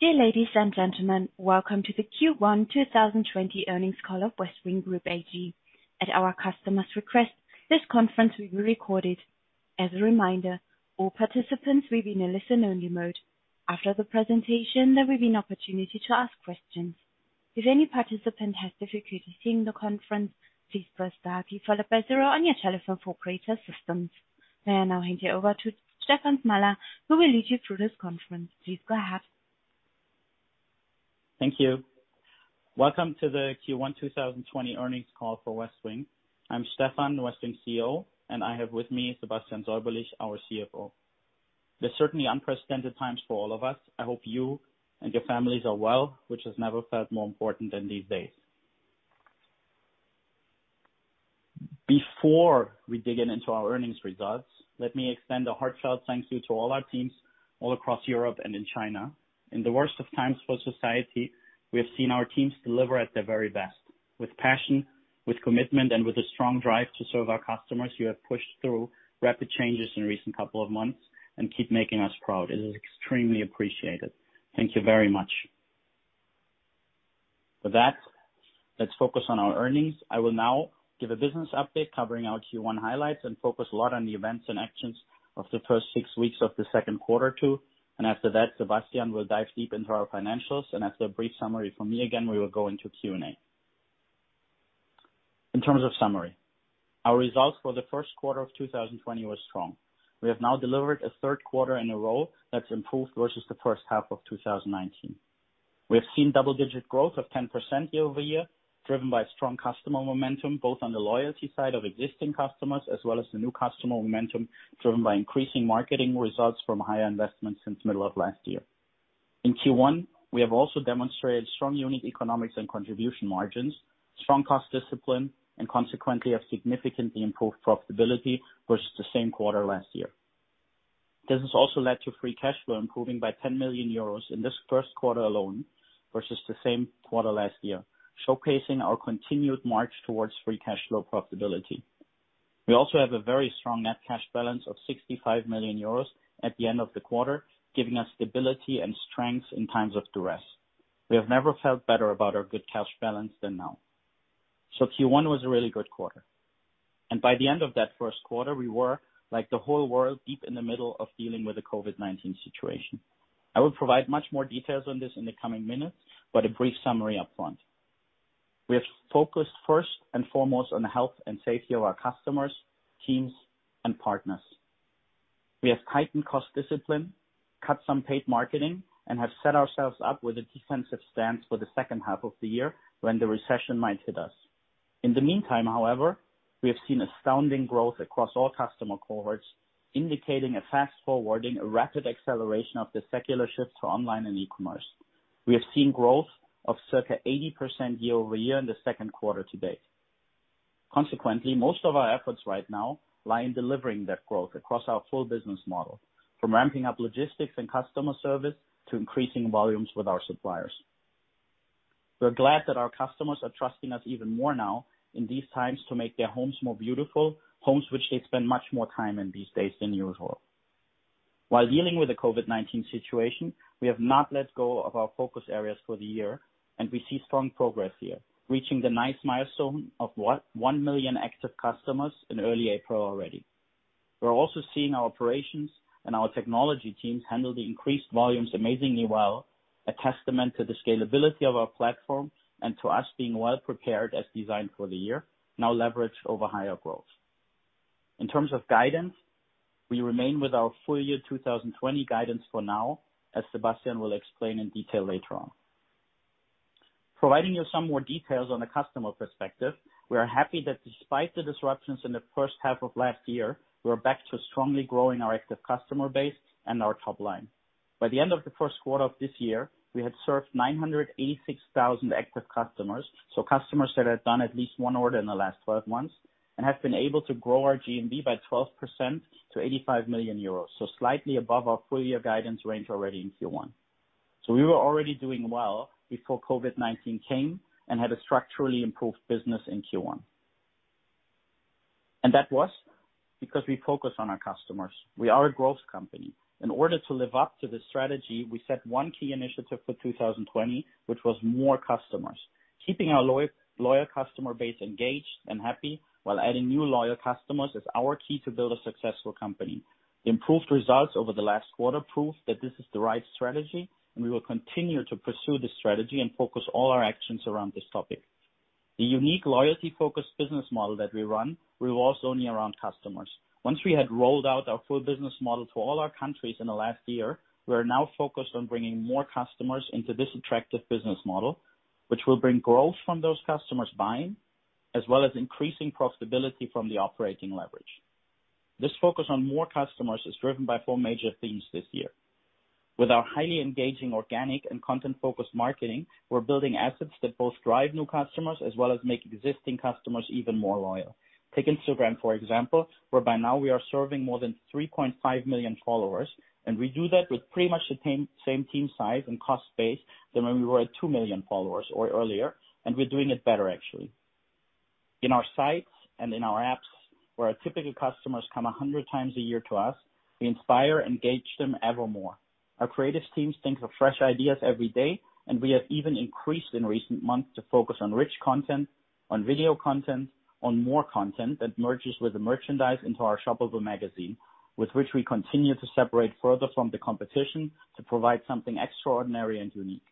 Dear ladies and gentlemen. Welcome to the Q1 2020 earnings call of Westwing Group SE. At our customers' request, this conference will be recorded. As a reminder, all participants will be in a listen-only mode. After the presentation, there will be an opportunity to ask questions. If any participant has difficulty seeing the conference, please press star key followed by zero on your telephone for greater assistance. May I now hand you over to Stefan Smalla, who will lead you through this conference. Please go ahead. Thank you. Welcome to the Q1 2020 earnings call for Westwing. I'm Stefan, Westwing CEO, and I have with me Sebastian Säuberlich, our CFO. There's certainly unprecedented times for all of us. I hope you and your families are well, which has never felt more important than these days. Before we dig into our earnings results, let me extend a heartfelt thank you to all our teams all across Europe and in China. In the worst of times for society, we have seen our teams deliver at their very best. With passion, with commitment, and with a strong drive to serve our customers, you have pushed through rapid changes in recent couple of months and keep making us proud. It is extremely appreciated. Thank you very much. Let's focus on our earnings. I will now give a business update covering our Q1 highlights and focus a lot on the events and actions of the first six weeks of the second quarter two, and after that, Sebastian will dive deep into our financials, and after a brief summary from me again, we will go into Q&A. In terms of summary, our results for the first quarter of 2020 were strong. We have now delivered a third quarter in a row that's improved versus the first half of 2019. We have seen double-digit growth of 10% year-over-year, driven by strong customer momentum, both on the loyalty side of existing customers, as well as the new customer momentum driven by increasing marketing results from higher investments since middle of last year. In Q1, we have also demonstrated strong unit economics and contribution margins, strong cost discipline, and consequently, a significantly improved profitability versus the same quarter last year. This has also led to free cash flow improving by 10 million euros in this first quarter alone versus the same quarter last year, showcasing our continued march towards free cash flow profitability. We also have a very strong net cash balance of 65 million euros at the end of the quarter, giving us stability and strength in times of duress. We have never felt better about our good cash balance than now. Q1 was a really good quarter, and by the end of that first quarter, we were, like the whole world, deep in the middle of dealing with the COVID-19 situation. I will provide much more details on this in the coming minutes. A brief summary up front. We have focused first and foremost on the health and safety of our customers, teams, and partners. We have tightened cost discipline, cut some paid marketing, and have set ourselves up with a defensive stance for the second half of the year when the recession might hit us. In the meantime, however, we have seen astounding growth across all customer cohorts, indicating a fast-forwarding, a rapid acceleration of the secular shifts for online and e-commerce. We have seen growth of circa 80% year-over-year in the second quarter to date. Consequently, most of our efforts right now lie in delivering that growth across our full business model, from ramping up logistics and customer service to increasing volumes with our suppliers. We're glad that our customers are trusting us even more now in these times to make their homes more beautiful, homes which they spend much more time in these days than usual. While dealing with the COVID-19 situation, we have not let go of our focus areas for the year, and we see strong progress here, reaching the nice milestone of 1 million active customers in early April already. We're also seeing our operations and our technology teams handle the increased volumes amazingly well, a testament to the scalability of our platform and to us being well-prepared as designed for the year, now leveraged over higher growth. In terms of guidance, we remain with our full year 2020 guidance for now, as Sebastian will explain in detail later on. Providing you some more details on the customer perspective, we are happy that despite the disruptions in the first half of last year, we're back to strongly growing our active customer base and our top line. By the end of the first quarter of this year, we had served 986,000 active customers, so customers that had done at least one order in the last 12 months and have been able to grow our GMV by 12% to 85 million euros. Slightly above our full year guidance range already in Q1. We were already doing well before COVID-19 came and had a structurally improved business in Q1. That was because we focus on our customers. We are a growth company. In order to live up to this strategy, we set one key initiative for 2020, which was more customers. Keeping our loyal customer base engaged and happy while adding new loyal customers is our key to build a successful company. Improved results over the last quarter prove that this is the right strategy, and we will continue to pursue this strategy and focus all our actions around this topic. The unique loyalty-focused business model that we run revolves only around customers. Once we had rolled out our full business model to all our countries in the last year, we are now focused on bringing more customers into this attractive business model, which will bring growth from those customers buying, as well as increasing profitability from the operating leverage. This focus on more customers is driven by four major themes this year. With our highly engaging, organic and content-focused marketing, we're building assets that both drive new customers as well as make existing customers even more loyal. Take Instagram, for example, where by now we are serving more than 3.5 million followers, and we do that with pretty much the same team size and cost base than when we were at 2 million followers or earlier, and we're doing it better, actually. In our sites and in our apps, where our typical customers come 100x a year to us, we inspire, engage them evermore. Our creative teams think of fresh ideas every day, and we have even increased in recent months to focus on rich content, on video content, on more content that merges with the merchandise into our shoppable magazine, with which we continue to separate further from the competition to provide something extraordinary and unique.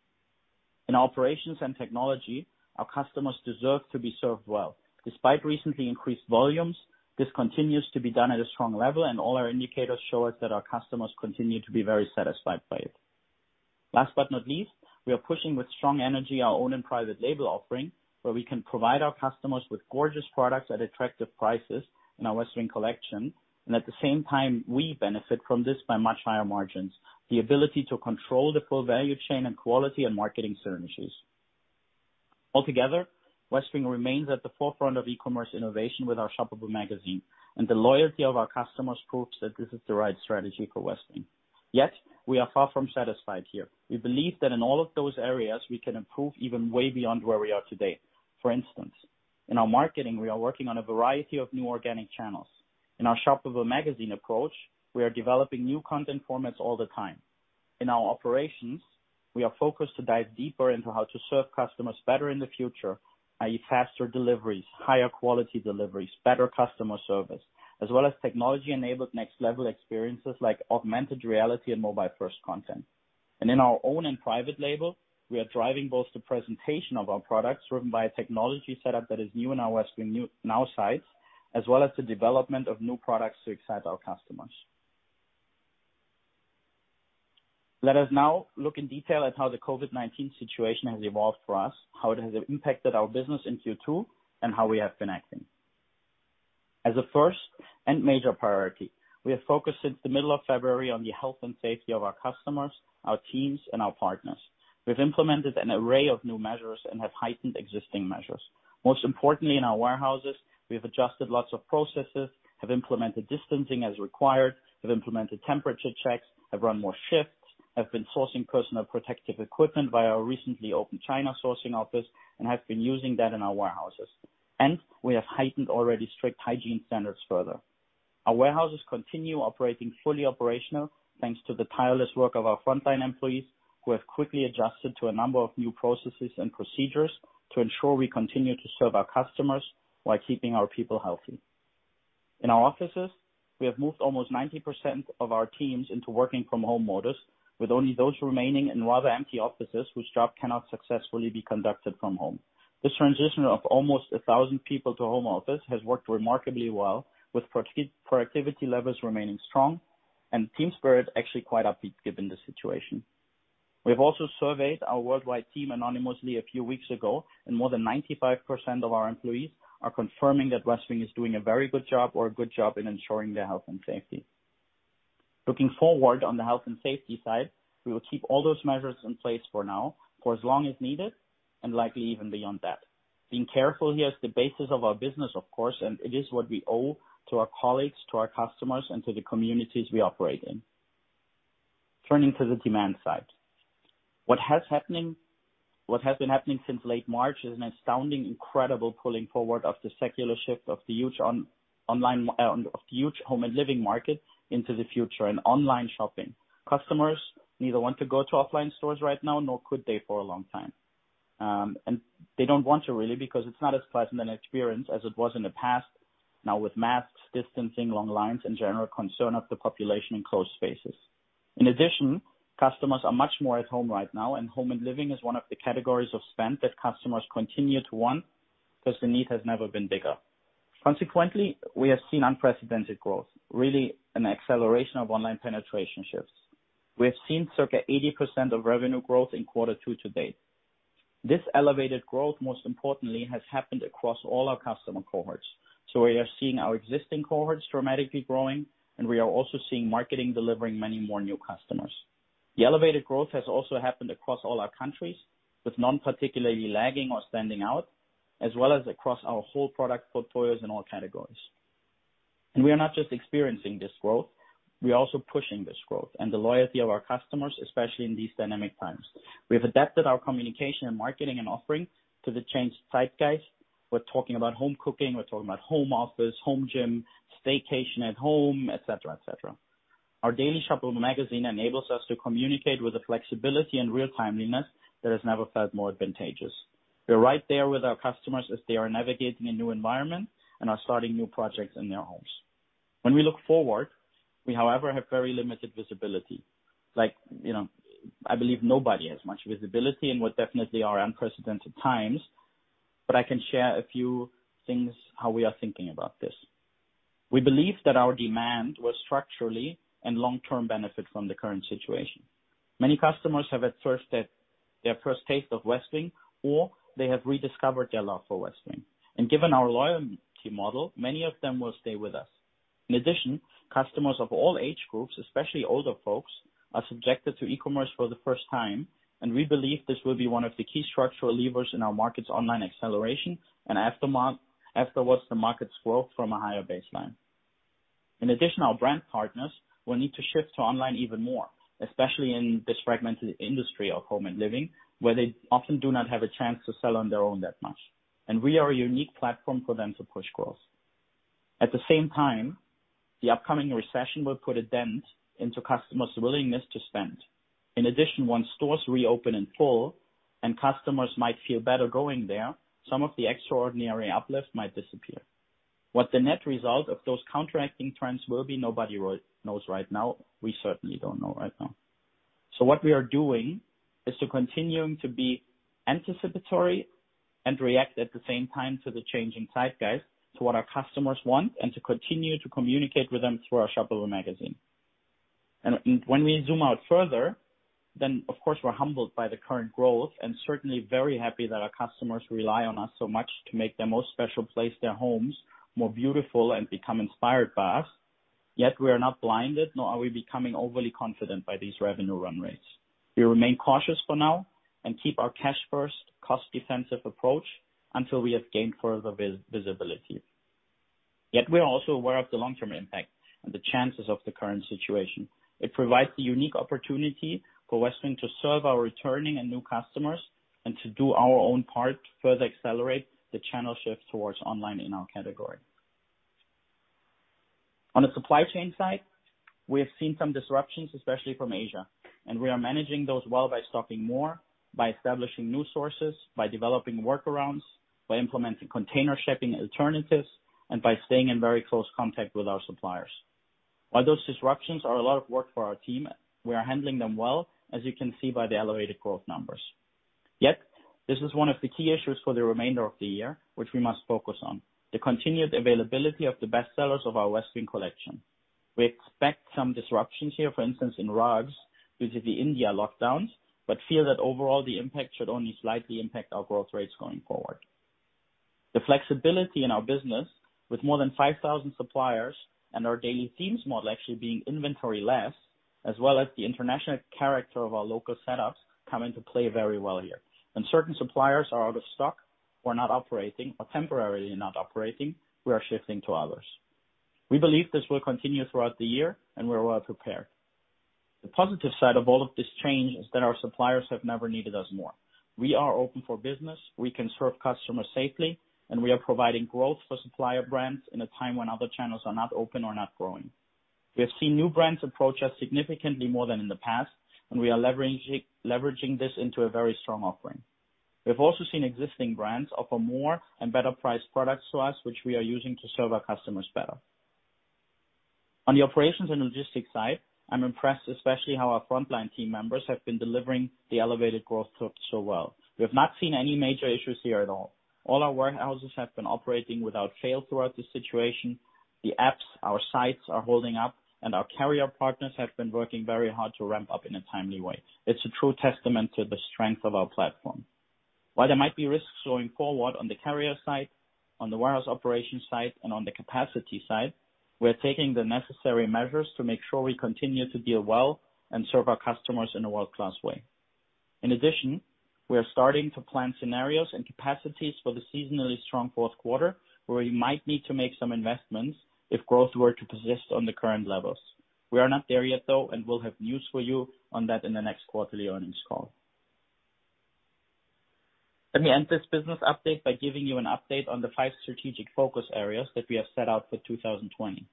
In operations and technology, our customers deserve to be served well. Despite recently increased volumes, this continues to be done at a strong level, and all our indicators show us that our customers continue to be very satisfied by it. Last but not least, we are pushing with strong energy our own and private label offering, where we can provide our customers with gorgeous products at attractive prices in our Westwing Collection, and at the same time, we benefit from this by much higher margins, the ability to control the full value chain and quality and marketing synergies. Altogether, Westwing remains at the forefront of e-commerce innovation with our shoppable magazine, and the loyalty of our customers proves that this is the right strategy for Westwing. Yet, we are far from satisfied here. We believe that in all of those areas, we can improve even way beyond where we are today. For instance, in our marketing, we are working on a variety of new organic channels. In our shoppable magazine approach, we are developing new content formats all the time. In our operations, we are focused to dive deeper into how to serve customers better in the future, i.e., faster deliveries, higher quality deliveries, better customer service, as well as technology-enabled next-level experiences like augmented reality and mobile-first content. In our own and private label, we are driving both the presentation of our products driven by a technology setup that is new in our WestwingNow sites, as well as the development of new products to excite our customers. Let us now look in detail at how the COVID-19 situation has evolved for us, how it has impacted our business in Q2, and how we have been acting. As a first and major priority, we have focused since the middle of February on the health and safety of our customers, our teams, and our partners. We've implemented an array of new measures and have heightened existing measures. Most importantly, in our warehouses, we have adjusted lots of processes, have implemented distancing as required, have implemented temperature checks, have run more shifts, have been sourcing personal protective equipment via our recently opened China sourcing office, and have been using that in our warehouses. We have heightened already strict hygiene standards further. Our warehouses continue operating fully operational thanks to the tireless work of our frontline employees, who have quickly adjusted to a number of new processes and procedures to ensure we continue to serve our customers while keeping our people healthy. In our offices, we have moved almost 90% of our teams into working from home modus, with only those remaining in rather empty offices whose job cannot successfully be conducted from home. This transition of almost 1,000 people to home office has worked remarkably well, with productivity levels remaining strong and team spirit actually quite upbeat given the situation. More than 95% of our employees are confirming that Westwing is doing a very good job or a good job in ensuring their health and safety. Looking forward on the health and safety side, we will keep all those measures in place for now, for as long as needed, and likely even beyond that. Being careful here is the basis of our business, of course, and it is what we owe to our colleagues, to our customers, and to the communities we operate in. Turning to the demand side. What has been happening since late March is an astounding, incredible pulling forward of the secular shift of the huge home and living market into the future and online shopping. Customers neither want to go to offline stores right now, nor could they for a long time. They don't want to really because it's not as pleasant an experience as it was in the past, now with masks, distancing, long lines and general concern of the population in closed spaces. In addition, customers are much more at home right now, and home and living is one of the categories of spend that customers continue to want because the need has never been bigger. Consequently, we have seen unprecedented growth, really an acceleration of online penetration shifts. We have seen circa 80% of revenue growth in quarter two to date. This elevated growth, most importantly, has happened across all our customer cohorts. We are seeing our existing cohorts dramatically growing, and we are also seeing marketing delivering many more new customers. The elevated growth has also happened across all our countries, with none particularly lagging or standing out, as well as across our whole product portfolios in all categories. We are not just experiencing this growth, we are also pushing this growth and the loyalty of our customers, especially in these dynamic times. We have adapted our communication and marketing and offering to the changed zeitgeist. We're talking about home cooking, we're talking about home office, home gym, staycation at home, et cetera. Our daily shoppable magazine enables us to communicate with the flexibility and real timeliness that has never felt more advantageous. We are right there with our customers as they are navigating a new environment and are starting new projects in their homes. When we look forward, we, however, have very limited visibility. I believe nobody has much visibility in what definitely are unprecedented times, but I can share a few things how we are thinking about this. We believe that our demand will structurally and long-term benefit from the current situation. Many customers have had their first taste of Westwing, or they have rediscovered their love for Westwing. Given our loyalty model, many of them will stay with us. In addition, customers of all age groups, especially older folks, are subjected to e-commerce for the first time, and we believe this will be one of the key structural levers in our market's online acceleration and afterwards the market's growth from a higher baseline. In addition, our brand partners will need to shift to online even more, especially in this fragmented industry of home and living, where they often do not have a chance to sell on their own that much. We are a unique platform for them to push growth. At the same time, the upcoming recession will put a dent into customers' willingness to spend. In addition, once stores reopen in full and customers might feel better going there, some of the extraordinary uplift might disappear. What the net result of those counteracting trends will be, nobody knows right now. We certainly don't know right now. What we are doing is to continuing to be anticipatory and react at the same time to the changing zeitgeist, to what our customers want, and to continue to communicate with them through our Shop the Look magazine. When we zoom out further, then of course we're humbled by the current growth and certainly very happy that our customers rely on us so much to make their most special place, their homes, more beautiful and become inspired by us. We are not blinded, nor are we becoming overly confident by these revenue run rates. We remain cautious for now and keep our cash first, cost defensive approach until we have gained further visibility. We are also aware of the long term impact and the chances of the current situation. It provides the unique opportunity for Westwing to serve our returning and new customers, and to do our own part to further accelerate the channel shift towards online in our category. On the supply chain side, we have seen some disruptions, especially from Asia, and we are managing those well by stocking more, by establishing new sources, by developing workarounds, by implementing container shipping alternatives, and by staying in very close contact with our suppliers. While those disruptions are a lot of work for our team, we are handling them well, as you can see by the elevated growth numbers. This is one of the key issues for the remainder of the year, which we must focus on, the continued availability of the best sellers of our Westwing Collection. We expect some disruptions here, for instance, in rugs due to the India lockdowns, but feel that overall the impact should only slightly impact our growth rates going forward. The flexibility in our business with more than 5,000 suppliers and our daily themes model actually being inventory less, as well as the international character of our local setups come into play very well here. When certain suppliers are out of stock or not operating or temporarily not operating, we are shifting to others. We believe this will continue throughout the year and we're well prepared. The positive side of all of this change is that our suppliers have never needed us more. We are open for business, we can serve customers safely, and we are providing growth for supplier brands in a time when other channels are not open or not growing. We have seen new brands approach us significantly more than in the past, and we are leveraging this into a very strong offering. We have also seen existing brands offer more and better priced products to us, which we are using to serve our customers better. On the operations and logistics side, I'm impressed especially how our frontline team members have been delivering the elevated growth so well. We have not seen any major issues here at all. All our warehouses have been operating without fail throughout this situation. The apps, our sites are holding up and our carrier partners have been working very hard to ramp up in a timely way. It's a true testament to the strength of our platform. While there might be risks going forward on the carrier side, on the warehouse operation side, and on the capacity side, we are taking the necessary measures to make sure we continue to deal well and serve our customers in a world-class way. In addition, we are starting to plan scenarios and capacities for the seasonally strong fourth quarter, where we might need to make some investments if growth were to persist on the current levels. We are not there yet though, and we'll have news for you on that in the next quarterly earnings call. Let me end this business update by giving you an update on the five strategic focus areas that we have set out for 2020.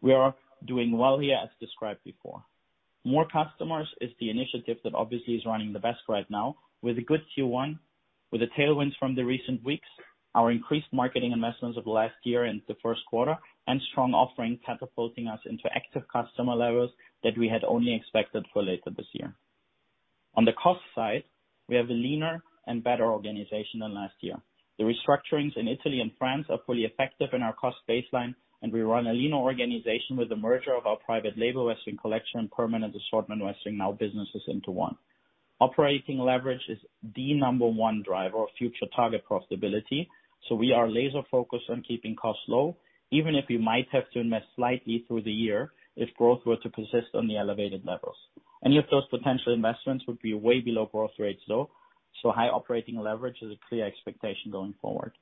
We are doing well here as described before. More customers is the initiative that obviously is running the best right now with a good Q1, with the tailwinds from the recent weeks, our increased marketing investments of last year into first quarter and strong offering catapulting us into active customer levels that we had only expected for later this year. On the cost side, we have a leaner and better organization than last year. The restructurings in Italy and France are fully effective in our cost baseline, and we run a leaner organization with the merger of our private label, Westwing Collection, and permanent assortment WestwingNow businesses into one. Operating leverage is the number one driver of future target profitability. We are laser focused on keeping costs low, even if we might have to invest slightly through the year if growth were to persist on the elevated levels. Any of those potential investments would be way below growth rates though, so high operating leverage is a clear expectation going forward.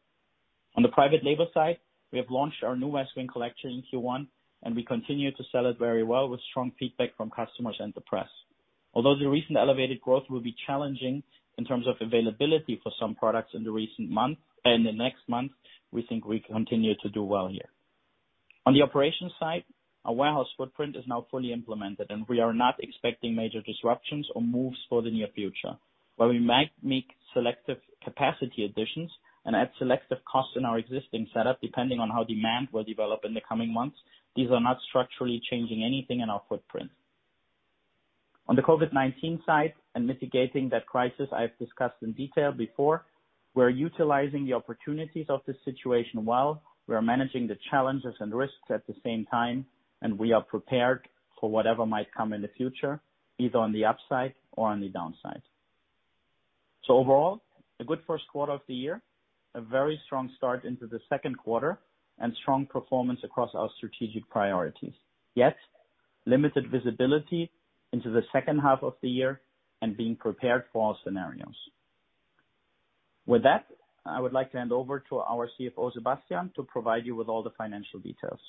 On the private label side, we have launched our new Westwing Collection in Q1, and we continue to sell it very well with strong feedback from customers and the press. Although the recent elevated growth will be challenging in terms of availability for some products in the recent month and the next month, we think we continue to do well here. On the operations side, our warehouse footprint is now fully implemented and we are not expecting major disruptions or moves for the near future, where we might make selective capacity additions and add selective costs in our existing setup, depending on how demand will develop in the coming months. These are not structurally changing anything in our footprint. On the COVID-19 side and mitigating that crisis I have discussed in detail before, we're utilizing the opportunities of this situation well. We are managing the challenges and risks at the same time, and we are prepared for whatever might come in the future, either on the upside or on the downside. Overall, a good first quarter of the year, a very strong start into the second quarter and strong performance across our strategic priorities. Yet limited visibility into the second half of the year and being prepared for all scenarios. With that, I would like to hand over to our CFO, Sebastian, to provide you with all the financial details.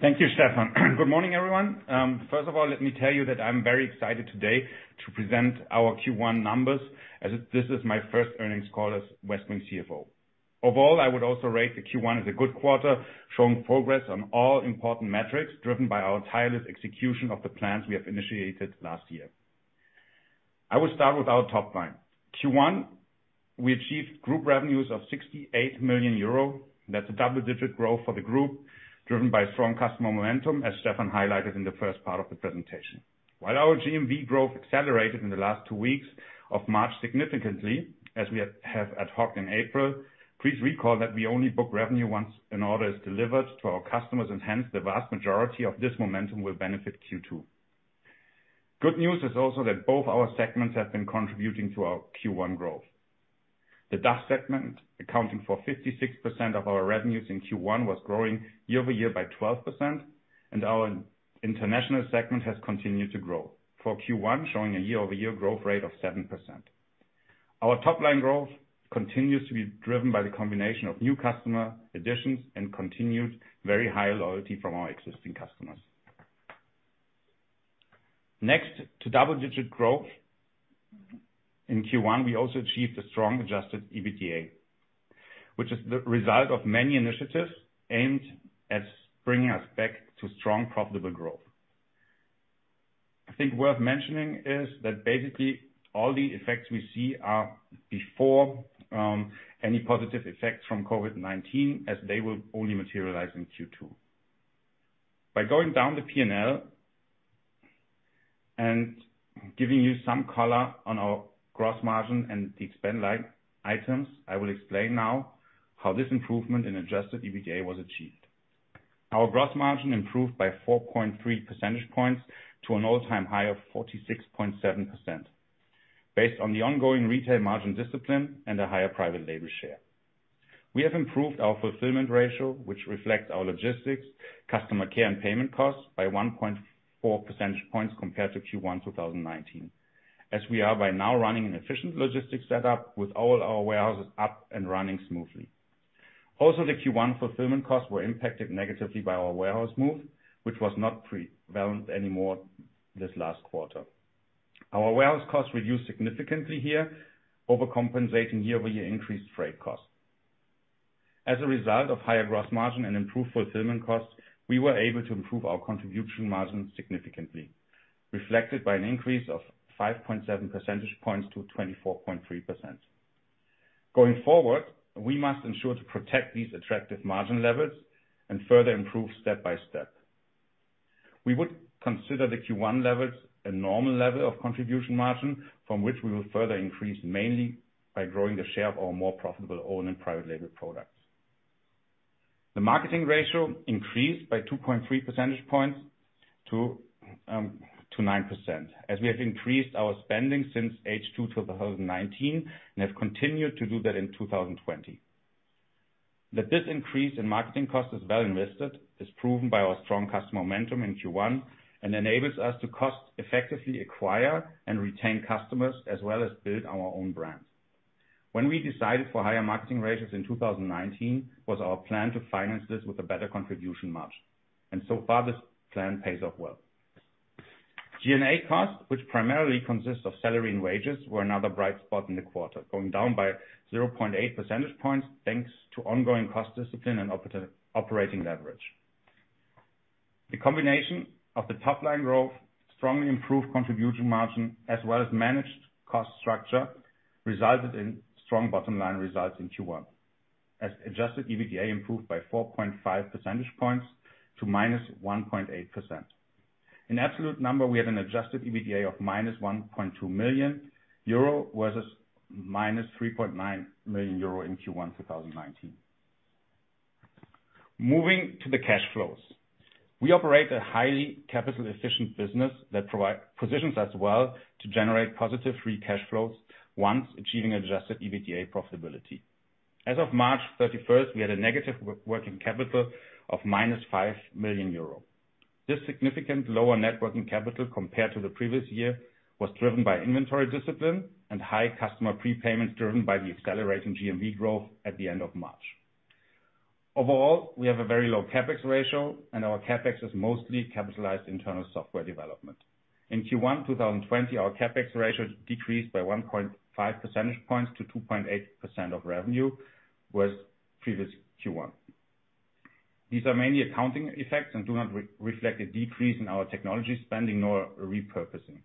Thank you, Stefan. Good morning, everyone. First of all, let me tell you that I'm very excited today to present our Q1 numbers, as this is my first earnings call as Westwing CFO. Overall, I would also rate the Q1 as a good quarter, showing progress on all important metrics, driven by our tireless execution of the plans we have initiated last year. I will start with our top line. Q1, we achieved group revenues of 68 million euro. That's a double-digit growth for the group, driven by strong customer momentum, as Stefan highlighted in the first part of the presentation. While our GMV growth accelerated in the last two weeks of March significantly, as we have ad hoc-ed in April, please recall that we only book revenue once an order is delivered to our customers, and hence, the vast majority of this momentum will benefit Q2. Good news is also that both our segments have been contributing to our Q1 growth. The DACH segment, accounting for 56% of our revenues in Q1, was growing year-over-year by 12%, and our international segment has continued to grow for Q1, showing a year-over-year growth rate of 7%. Our top-line growth continues to be driven by the combination of new customer additions and continued very high loyalty from our existing customers. Next, to double-digit growth in Q1, we also achieved a strong adjusted EBITDA, which is the result of many initiatives aimed at bringing us back to strong, profitable growth. I think worth mentioning is that basically all the effects we see are before any positive effects from COVID-19, as they will only materialize in Q2. By going down the P&L and giving you some color on our gross margin and the expense line items, I will explain now how this improvement in adjusted EBITDA was achieved. Our gross margin improved by 4.3 percentage points to an all-time high of 46.7%, based on the ongoing retail margin discipline and a higher private label share. We have improved our fulfillment ratio, which reflects our logistics, customer care, and payment costs by 1.4 percentage points compared to Q1 2019, as we are by now running an efficient logistics setup with all our warehouses up and running smoothly. Also, the Q1 fulfillment costs were impacted negatively by our warehouse move, which was not prevalent anymore this last quarter. Our warehouse costs reduced significantly here, overcompensating year-over-year increased freight costs. As a result of higher gross margin and improved fulfillment costs, we were able to improve our contribution margin significantly, reflected by an increase of 5.7 percentage points to 24.3%. Going forward, we must ensure to protect these attractive margin levels and further improve step by step. We would consider the Q1 levels a normal level of contribution margin from which we will further increase, mainly by growing the share of our more profitable own and private label products. The marketing ratio increased by 2.3 percentage points to 9%, as we have increased our spending since H2 2019 and have continued to do that in 2020. That this increase in marketing cost is well invested is proven by our strong customer momentum in Q1 and enables us to cost effectively acquire and retain customers as well as build our own brands. When we decided for higher marketing ratios in 2019, was our plan to finance this with a better contribution margin, and so far this plan pays off well. G&A costs, which primarily consists of salary and wages, were another bright spot in the quarter, going down by 0.8 percentage points thanks to ongoing cost discipline and operating leverage. The combination of the top-line growth, strongly improved contribution margin, as well as managed cost structure, resulted in strong bottom-line results in Q1, as adjusted EBITDA improved by 4.5 percentage points to -1.8%. In absolute number, we had an adjusted EBITDA of -1.2 million euro versus -3.9 million euro in Q1 2019. Moving to the cash flows. We operate a highly capital-efficient business that positions us well to generate positive free cash flows once achieving adjusted EBITDA profitability. As of March 31st, we had a negative working capital of -5 million euro. This significant lower net working capital compared to the previous year was driven by inventory discipline and high customer prepayments driven by the accelerating GMV growth at the end of March. Overall, we have a very low CapEx ratio, and our CapEx is mostly capitalized internal software development. In Q1 2020, our CapEx ratio decreased by 1.5 percentage points to 2.8% of revenue versus previous Q1. These are mainly accounting effects and do not reflect a decrease in our technology spending nor a repurposing.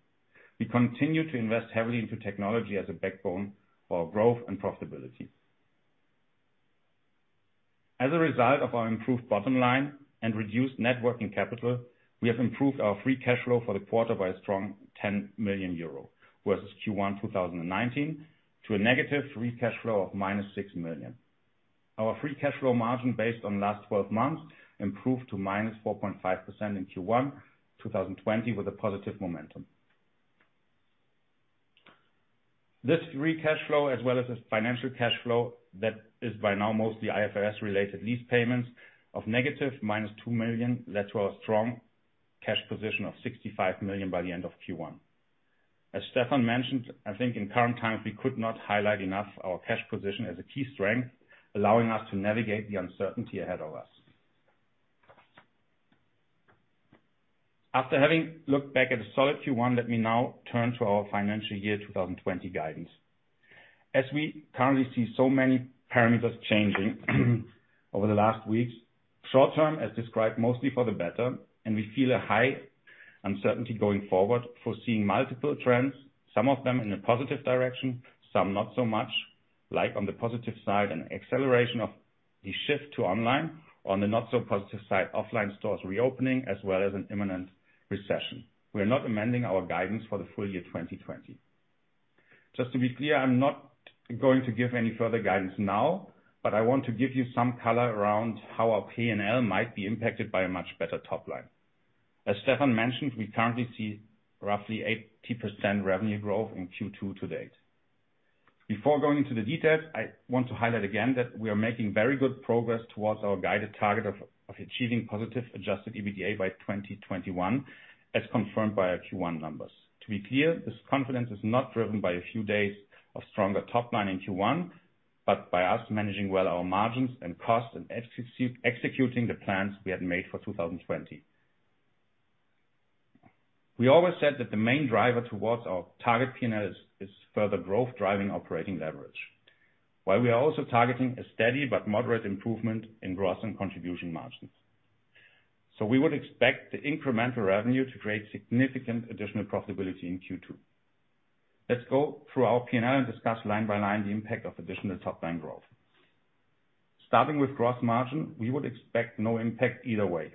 We continue to invest heavily into technology as a backbone for our growth and profitability. As a result of our improved bottom line and reduced net working capital, we have improved our free cash flow for the quarter by a strong 10 million euro versus Q1 2019 to a negative free cash flow of minus 6 million. Our free cash flow margin based on the last 12 months improved to -4.5% in Q1 2020 with a positive momentum. This free cash flow as well as the financial cash flow, that is by now mostly IFRS-related lease payments of negative minus 2 million led to a strong cash position of 65 million by the end of Q1. As Stefan mentioned, I think in current times, we could not highlight enough our cash position as a key strength, allowing us to navigate the uncertainty ahead of us. After having looked back at a solid Q1, let me now turn to our financial year 2020 guidance. We currently see so many parameters changing over the last weeks, short-term, as described, mostly for the better. We feel a high uncertainty going forward, foreseeing multiple trends, some of them in a positive direction, some not so much, like on the positive side, an acceleration of the shift to online. On the not so positive side, offline stores reopening as well as an imminent recession. We are not amending our guidance for the full year 2020. Just to be clear, I'm not going to give any further guidance now, I want to give you some color around how our P&L might be impacted by a much better top line. As Stefan mentioned, we currently see roughly 80% revenue growth in Q2 to date. Before going into the details, I want to highlight again that we are making very good progress towards our guided target of achieving positive adjusted EBITDA by 2021, as confirmed by our Q1 numbers. To be clear, this confidence is not driven by a few days of stronger top line in Q1, but by us managing well our margins and costs and executing the plans we had made for 2020. We always said that the main driver towards our target P&L is further growth driving operating leverage, while we are also targeting a steady but moderate improvement in gross and contribution margins. We would expect the incremental revenue to create significant additional profitability in Q2. Let's go through our P&L and discuss line by line the impact of additional top-line growth. Starting with gross margin, we would expect no impact either way.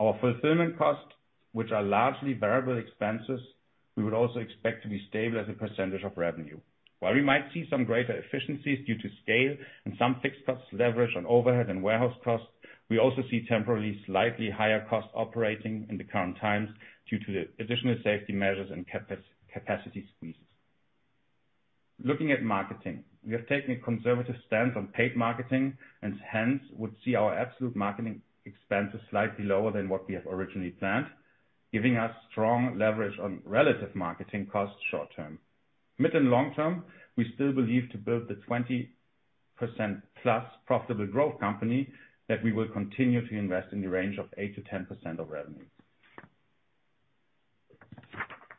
Our fulfillment costs, which are largely variable expenses, we would also expect to be stable as a percentage of revenue. While we might see some greater efficiencies due to scale and some fixed costs leverage on overhead and warehouse costs, we also see temporarily slightly higher cost operating in the current times due to the additional safety measures and capacity squeezes. Looking at marketing, we have taken a conservative stance on paid marketing, and hence would see our absolute marketing expenses slightly lower than what we have originally planned, giving us strong leverage on relative marketing costs short-term. Mid- and long-term, we still believe to build the 20%+ profitable growth company that we will continue to invest in the range of 8%-10% of revenues.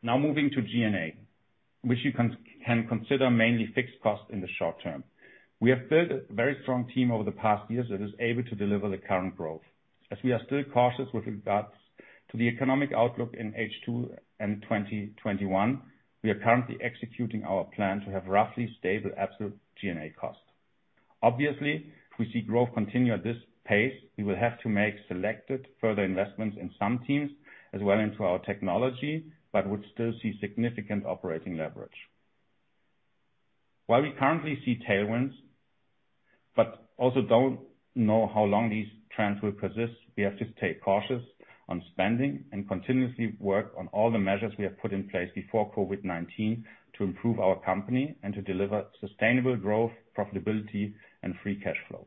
Now moving to G&A, which you can consider mainly fixed costs in the short-term. We have built a very strong team over the past years that is able to deliver the current growth. As we are still cautious with regards to the economic outlook in H2 and 2021, we are currently executing our plan to have roughly stable absolute G&A costs. If we see growth continue at this pace, we will have to make selected further investments in some teams as well into our technology, but would still see significant operating leverage. While we currently see tailwinds, but also don't know how long these trends will persist, we have to stay cautious on spending and continuously work on all the measures we have put in place before COVID-19 to improve our company and to deliver sustainable growth, profitability and free cash flows.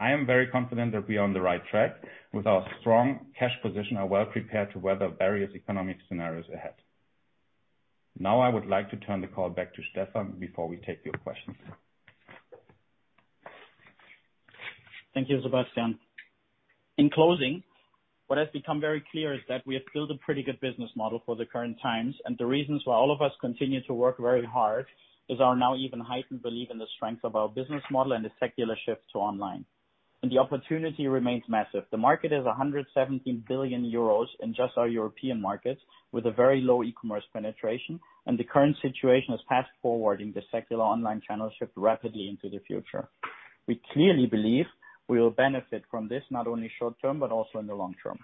I am very confident that we are on the right track with our strong cash position are well prepared to weather various economic scenarios ahead. Now I would like to turn the call back to Stefan before we take your questions. Thank you, Sebastian. In closing, what has become very clear is that we have built a pretty good business model for the current times and the reasons why all of us continue to work very hard is our now even heightened belief in the strength of our business model and the secular shift to online. The opportunity remains massive. The market is 117 billion euros in just our European markets with a very low e-commerce penetration and the current situation is fast forwarding the secular online channel shift rapidly into the future. We clearly believe we will benefit from this not only short-term but also in the long-term.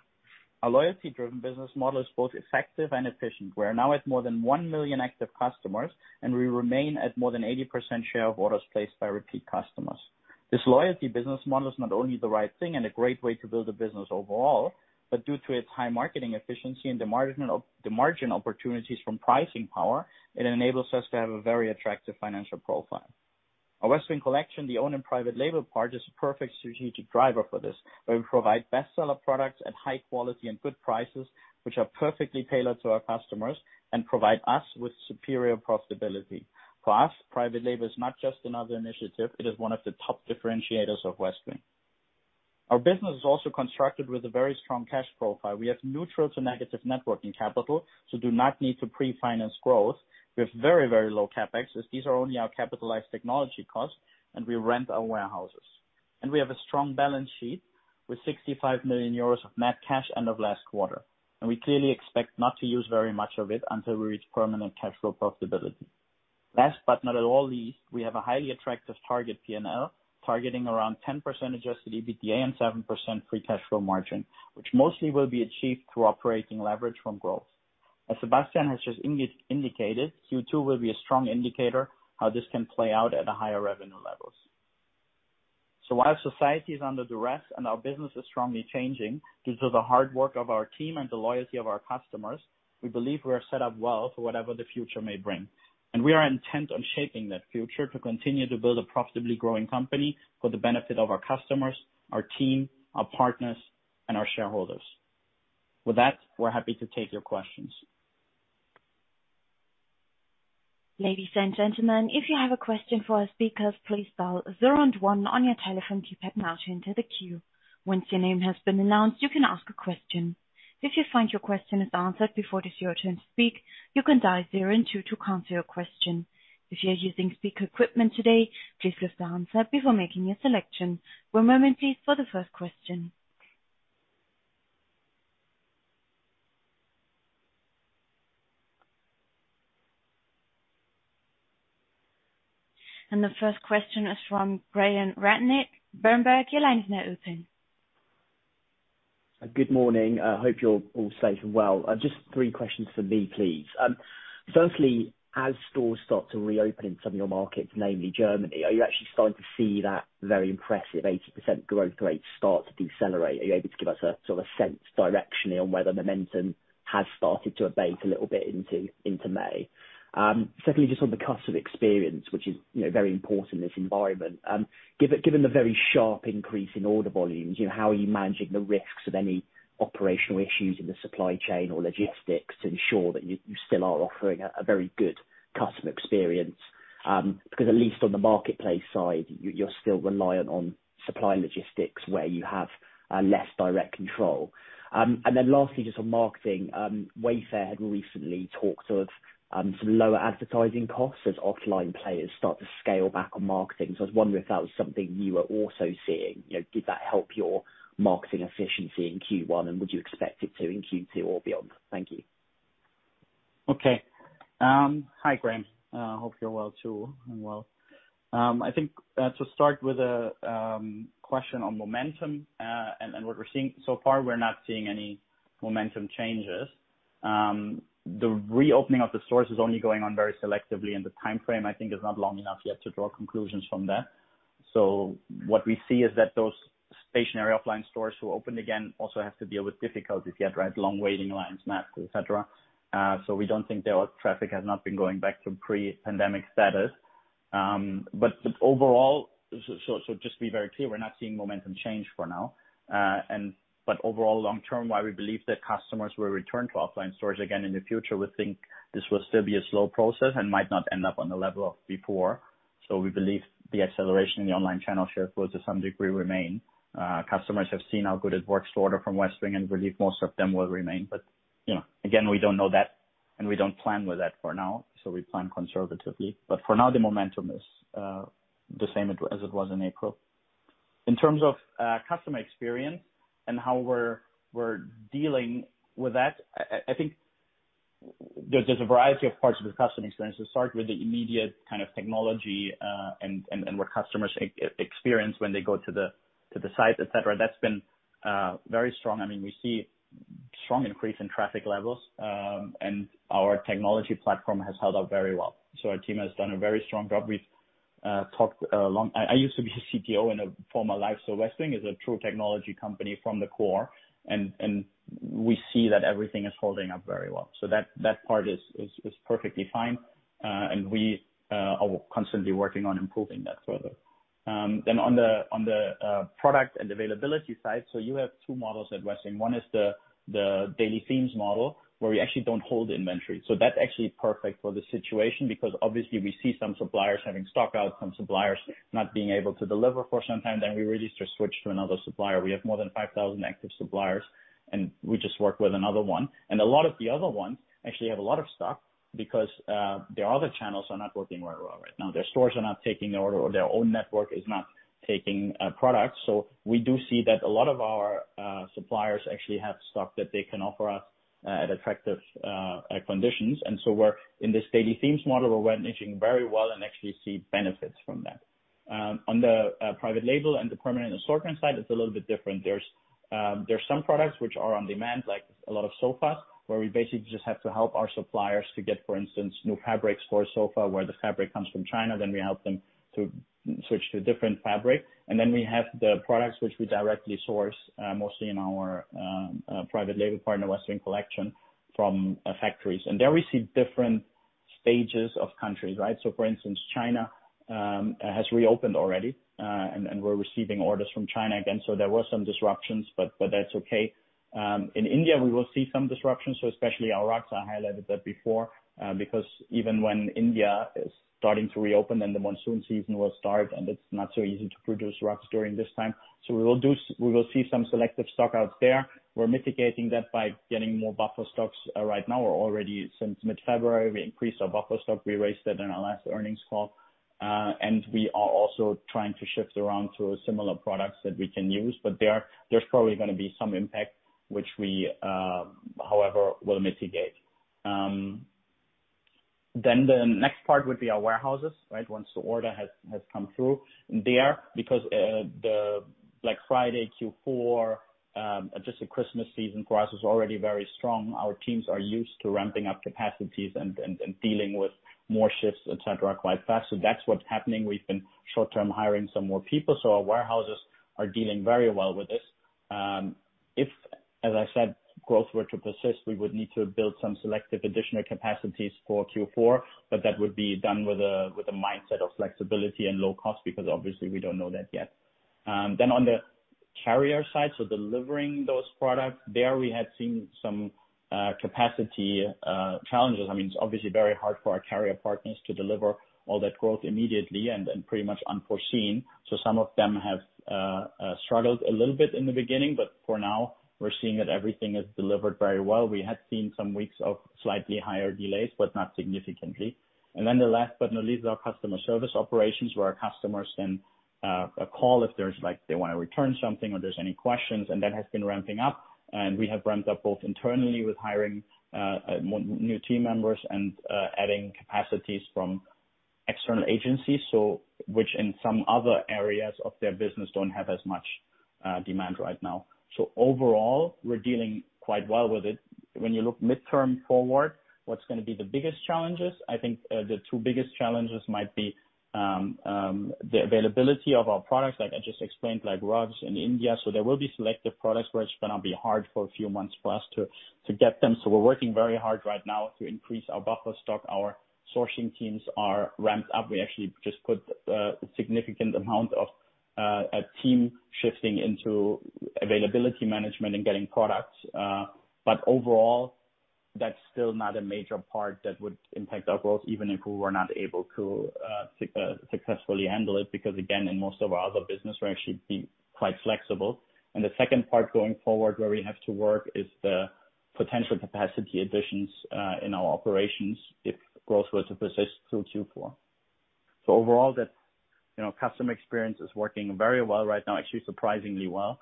Our loyalty driven business model is both effective and efficient. We are now at more than 1 million active customers and we remain at more than 80% share of orders placed by repeat customers. This loyalty business model is not only the right thing and a great way to build a business overall, but due to its high marketing efficiency and the margin opportunities from pricing power, it enables us to have a very attractive financial profile. Our Westwing Collection, the owned and private label part, is a perfect strategic driver for this, where we provide bestseller products at high quality and good prices, which are perfectly tailored to our customers and provide us with superior profitability. For us, private label is not just another initiative, it is one of the top differentiators of Westwing. Our business is also constructed with a very strong cash profile. We have neutral to negative net working capital, so do not need to pre-finance growth with very, very low CapEx as these are only our capitalized technology costs and we rent our warehouses. We have a strong balance sheet with 65 million euros of net cash end of last quarter. We clearly expect not to use very much of it until we reach permanent cash flow profitability. Last but not at all least, we have a highly attractive target P&L targeting around 10% adjusted EBITDA and 7% free cash flow margin, which mostly will be achieved through operating leverage from growth. As Sebastian has just indicated, Q2 will be a strong indicator how this can play out at a higher revenue levels. While society is under duress and our business is strongly changing, due to the hard work of our team and the loyalty of our customers, we believe we are set up well for whatever the future may bring. We are intent on shaping that future to continue to build a profitably growing company for the benefit of our customers, our team, our partners and our shareholders. With that, we're happy to take your questions. Ladies and gentlemen, if you have a question for our speakers, please dial zero and one on your telephone keypad now to enter the queue. Once your name has been announced, you can ask a question. If you find your question is answered before it is your turn to speak, you can dial zero and two to cancel your question. If you're using speaker equipment today, please lift the answer before making your selection. One moment please, for the first question. The first question is from Graham Ratner, Bloomberg. Your line is now open. Good morning. Hope you're all safe and well. Just three questions from me, please. Firstly, as stores start to reopen in some of your markets, namely Germany, are you actually starting to see that very impressive 80% growth rate start to decelerate? Are you able to give us a sense directionally on whether momentum has started to abate a little bit into May? Secondly, just on the customer experience, which is very important in this environment. Given the very sharp increase in order volumes, how are you managing the risks of any operational issues in the supply chain or logistics to ensure that you still are offering a very good customer experience? Because at least on the marketplace side, you're still reliant on supply logistics where you have less direct control. Lastly, just on marketing, Wayfair had recently talked of some lower advertising costs as offline players start to scale back on marketing. I was wondering if that was something you are also seeing. Did that help your marketing efficiency in Q1, and would you expect it to in Q2 or beyond? Thank you. Okay. Hi Graham. Hope you're well, too. I'm well. I think to start with the question on momentum, and what we're seeing so far, we're not seeing any momentum changes. The reopening of the stores is only going on very selectively, and the timeframe, I think is not long enough yet to draw conclusions from that. What we see is that those stationary offline stores who opened again also have to deal with difficulties yet, right? Long waiting lines, masks, et cetera. We don't think their traffic has not been going back to pre-pandemic status. Just to be very clear, we're not seeing momentum change for now. Overall long term, while we believe that customers will return to offline stores again in the future, we think this will still be a slow process and might not end up on the level of before. We believe the acceleration in the online channel share will to some degree remain. Customers have seen how good it works to order from Westwing and believe most of them will remain. Again, we don't know that, and we don't plan with that for now, so we plan conservatively. For now, the momentum is the same as it was in April. In terms of customer experience and how we're dealing with that, I think there's a variety of parts of the customer experience. To start with the immediate technology, and what customers experience when they go to the site, et cetera. That's been very strong. We see strong increase in traffic levels, and our technology platform has held up very well. Our team has done a very strong job. I used to be a CTO in a former life. Westwing is a true technology company from the core, we see that everything is holding up very well. That part is perfectly fine. We are constantly working on improving that further. On the product and availability side, so you have two models at Westwing. One is the daily themes model, where we actually don't hold inventory. That's actually perfect for the situation because obviously we see some suppliers having stockouts, some suppliers not being able to deliver for some time, then we really just switch to another supplier. We have more than 5,000 active suppliers, we just work with another one. A lot of the other ones actually have a lot of stock because their other channels are not working very well right now. Their stores are not taking the order or their own network is not taking products. We do see that a lot of our suppliers actually have stock that they can offer us at attractive conditions. We're in this daily themes model. We're managing very well and actually see benefits from that. On the private label and the permanent assortment side, it's a little bit different. There's some products which are on demand, like a lot of sofas, where we basically just have to help our suppliers to get, for instance, new fabrics for a sofa where the fabric comes from China, then we help them to switch to a different fabric. We have the products which we directly source, mostly in our private label partner, Westwing Collection, from factories. There we see different stages of countries, right? For instance, China has reopened already, and we're receiving orders from China again. There were some disruptions, but that's okay. In India, we will see some disruptions, especially our rugs. I highlighted that before. Because even when India is starting to reopen, then the monsoon season will start, and it's not so easy to produce rugs during this time. We will see some selective stock outs there. We're mitigating that by getting more buffer stocks right now already. Since mid-February, we increased our buffer stock. We raised that in our last earnings call. We are also trying to shift around to similar products that we can use. There's probably going to be some impact, which we, however, will mitigate. The next part would be our warehouses. Once the order has come through. Because the Black Friday Q4, just the Christmas season for us was already very strong. Our teams are used to ramping up capacities and dealing with more shifts, et cetera, quite fast. That's what's happening. We've been short-term hiring some more people, so our warehouses are dealing very well with this. If, as I said, growth were to persist, we would need to build some selective additional capacities for Q4, but that would be done with a mindset of flexibility and low cost, because obviously we don't know that yet. On the carrier side, so delivering those products. We had seen some capacity challenges. It's obviously very hard for our carrier partners to deliver all that growth immediately and pretty much unforeseen. Some of them have struggled a little bit in the beginning, but for now, we're seeing that everything is delivered very well. We had seen some weeks of slightly higher delays, but not significantly. The last but not least, our customer service operations, where our customers can call if they want to return something or there's any questions, and that has been ramping up. We have ramped up both internally with hiring new team members and adding capacities from external agencies, which in some other areas of their business don't have as much demand right now. Overall, we're dealing quite well with it. When you look midterm forward, what's going to be the biggest challenges? I think the two biggest challenges might be the availability of our products, like I just explained, like rugs in India. There will be selective products where it's going to be hard for a few months for us to get them. We're working very hard right now to increase our buffer stock. Our sourcing teams are ramped up. We actually just put a significant amount of a team shifting into availability management and getting products. Overall, that's still not a major part that would impact our growth, even if we were not able to successfully handle it, because again, in most of our other business, we're actually quite flexible. The second part going forward, where we have to work is the potential capacity additions in our operations if growth were to persist through Q4. Overall, customer experience is working very well right now, actually surprisingly well.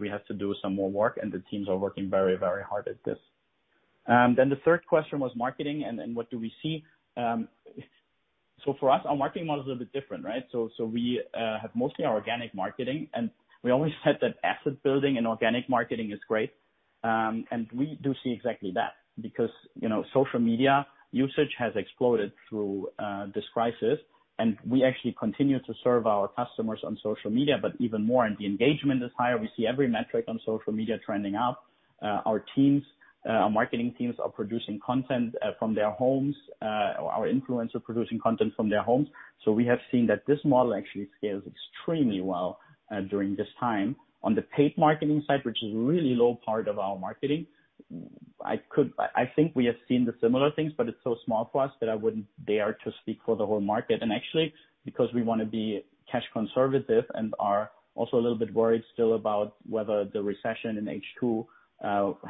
We have to do some more work, and the teams are working very, very hard at this. The third question was marketing and what do we see. For us, our marketing model is a bit different, right? We have mostly organic marketing, and we always said that asset building and organic marketing is great. We do see exactly that, because social media usage has exploded through this crisis, and we actually continue to serve our customers on social media, but even more, and the engagement is higher. We see every metric on social media trending up. Our marketing teams are producing content from their homes. Our influencers are producing content from their homes. We have seen that this model actually scales extremely well during this time. On the paid marketing side, which is a really low part of our marketing, I think we have seen the similar things, but it's so small for us that I wouldn't dare to speak for the whole market. Actually, because we want to be cash conservative and are also a little bit worried still about whether the recession in H2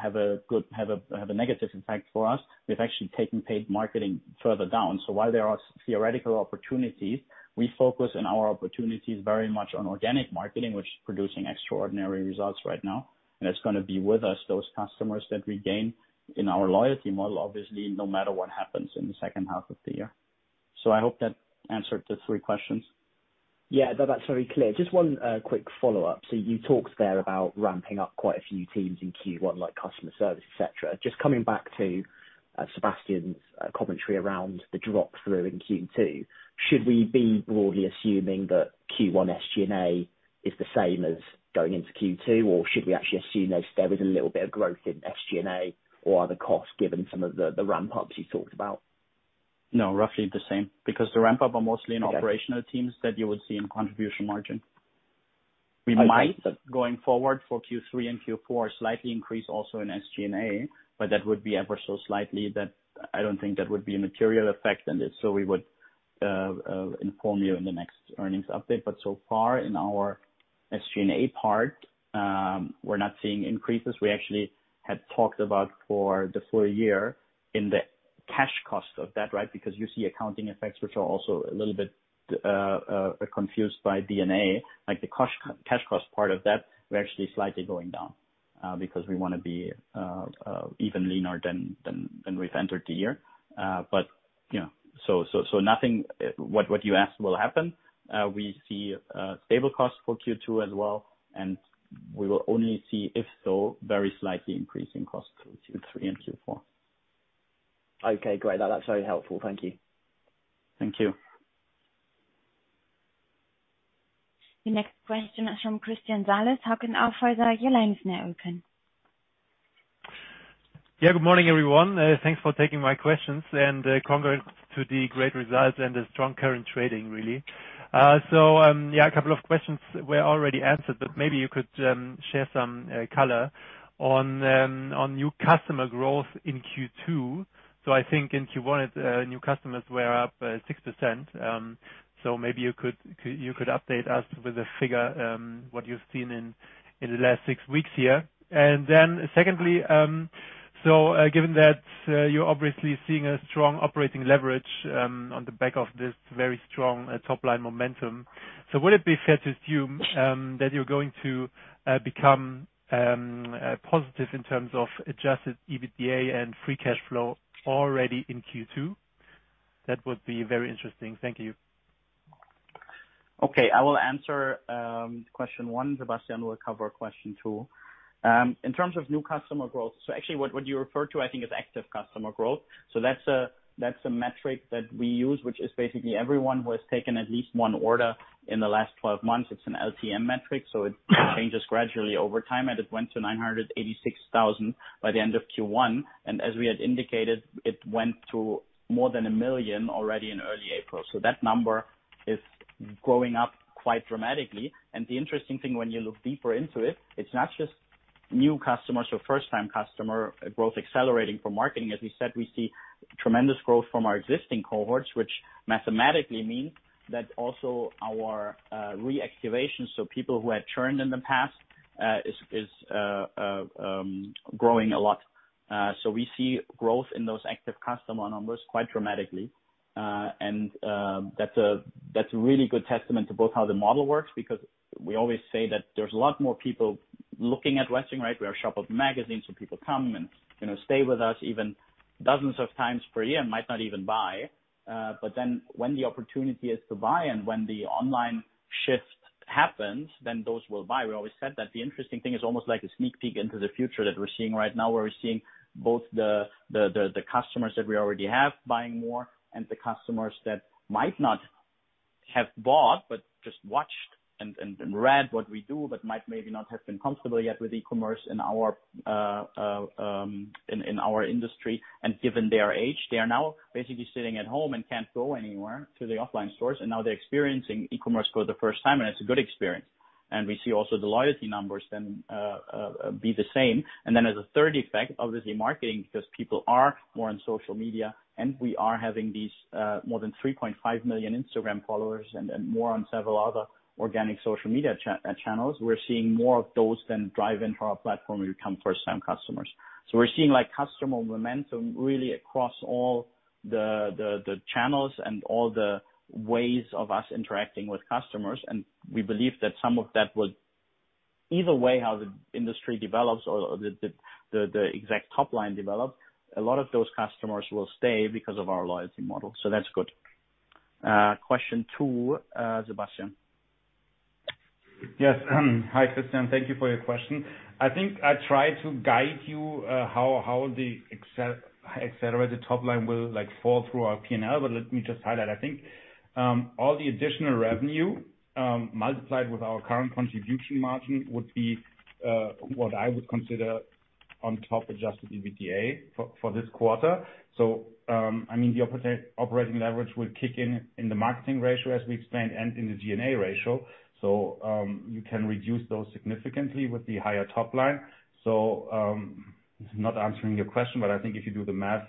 have a negative impact for us, we've actually taken paid marketing further down. While there are theoretical opportunities, we focus on our opportunities very much on organic marketing, which is producing extraordinary results right now, and it's going to be with us, those customers that we gain in our loyalty model, obviously, no matter what happens in the second half of the year. I hope that answered the three questions. Yeah. That's very clear. Just one quick follow-up. You talked there about ramping up quite a few teams in Q1, like customer service, et cetera. Just coming back to Sebastian's commentary around the drop through in Q2, should we be broadly assuming that Q1 SG&A is the same as going into Q2? Or should we actually assume that there is a little bit of growth in SG&A? Or are the costs given some of the ramp-ups you talked about? No, roughly the same. Because the ramp-up are mostly. Okay. Operational teams that you would see in contribution margin. We might, going forward for Q3 and Q4, slightly increase also in SG&A, that would be ever so slightly that I don't think that would be a material effect on this. We would inform you in the next earnings update. So far in our SG&A part, we're not seeing increases. We actually had talked about for the full year in the cash cost of that, right? Because you see accounting effects, which are also a little bit confused by D&A, like the cash cost part of that, we're actually slightly going down, because we want to be even leaner than we've entered the year. Nothing, what you asked will happen. We see stable costs for Q2 as well, and we will only see if so, very slightly increase in cost through Q3 and Q4. Okay, great. That's very helpful. Thank you. Thank you. The next question is from Christian Salis. Hauck & Aufhäuser, your line is now open. Good morning, everyone. Thanks for taking my questions. Congrats to the great results and the strong current trading, really. A couple of questions were already answered, but maybe you could share some color on new customer growth in Q2. I think in Q1, new customers were up 6%. Maybe you could update us with a figure, what you've seen in the last six weeks here. Secondly, given that you're obviously seeing a strong operating leverage on the back of this very strong top-line momentum, would it be fair to assume that you're going to become positive in terms of adjusted EBITDA and free cash flow already in Q2? That would be very interesting. Thank you. Okay. I will answer question one. Sebastian will cover question two. In terms of new customer growth, actually what you refer to, I think, is active customer growth. That's a metric that we use, which is basically everyone who has taken at least one order in the last 12 months. It's an LTM metric, it changes gradually over time, it went to 986,000 by the end of Q1. As we had indicated, it went to more than a million already in early April. That number is going up quite dramatically. The interesting thing when you look deeper into it's not just New customers or first time customer growth accelerating from marketing. As we said, we see tremendous growth from our existing cohorts, which mathematically means that also our re-activation, so people who had churned in the past, is growing a lot. We see growth in those active customer numbers quite dramatically. That's a really good testament to both how the model works, because we always say that there's a lot more people looking at Westwing. We are a shoppable magazine, people come and stay with us even dozens of times per year, might not even buy. When the opportunity is to buy and when the online shift happens, then those will buy. We always said that the interesting thing is almost like a sneak peek into the future that we're seeing right now, where we're seeing both the customers that we already have buying more and the customers that might not have bought but just watched and read what we do, but might maybe not have been comfortable yet with e-commerce in our industry. Given their age, they are now basically sitting at home and can't go anywhere to the offline stores, and now they're experiencing e-commerce for the first time, and it's a good experience. We see also the loyalty numbers be the same. As a third effect, obviously marketing, because people are more on social media and we are having these more than 3.5 million Instagram followers and more on several other organic social media channels. We're seeing more of those then drive into our platform who become first time customers. We're seeing customer momentum really across all the channels and all the ways of us interacting with customers. We believe that some of that will, either way how the industry develops or the exact top line develops, a lot of those customers will stay because of our loyalty model. That's good. Question two, Sebastian. Yes. Hi, Christian, thank you for your question. I think I tried to guide you how the et cetera, the top line will fall through our P&L, but let me just highlight. I think all the additional revenue, multiplied with our current contribution margin, would be what I would consider on top adjusted EBITDA for this quarter. The operating leverage will kick in the marketing ratio as we explained, and in the G&A ratio. You can reduce those significantly with the higher top line. This is not answering your question, but I think if you do the math,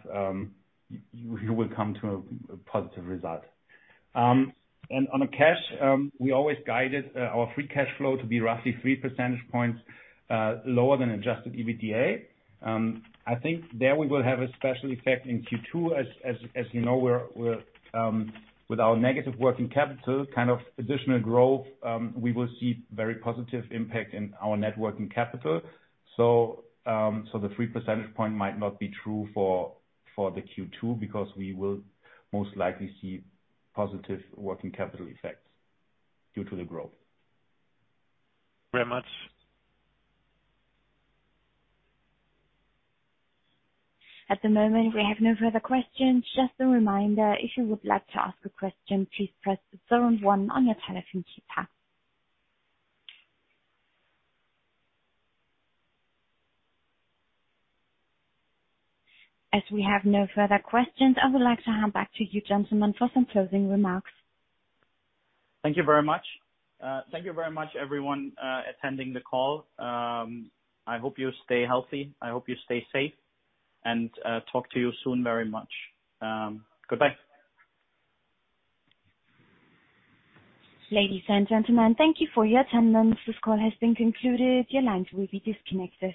you will come to a positive result. On a cash, we always guided our free cash flow to be roughly three percentage points lower than adjusted EBITDA. I think there we will have a special effect in Q2. As you know, with our negative working capital, kind of additional growth, we will see very positive impact in our net working capital. The three percentage point might not be true for the Q2 because we will most likely see positive working capital effects due to the growth. Very much. At the moment, we have no further questions. Just a reminder, if you would like to ask a question, please press the star and one on your telephone keypad. As we have no further questions, I would like to hand back to you gentlemen for some closing remarks. Thank you very much. Thank you very much everyone attending the call. I hope you stay healthy, I hope you stay safe, and talk to you soon very much. Goodbye. Ladies and gentlemen, thank you for your attendance. This call has been concluded. Your lines will be disconnected.